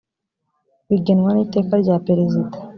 bigenwa n iteka rya perezida